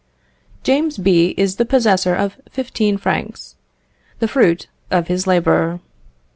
James B. is the possessor of fifteen francs, the fruit of his labour.